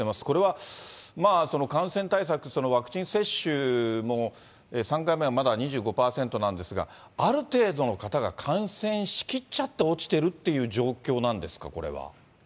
これは感染対策、ワクチン接種も３回目はまだ２５％なんですが、ある程度の方が感染しきっちゃって落ちているという状況なんです